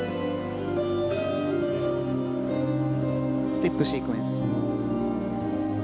ステップシークエンス。